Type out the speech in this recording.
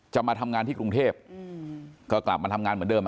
มาทำงานที่กรุงเทพก็กลับมาทำงานเหมือนเดิม